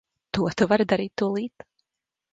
To tu vari darīt tūlīt.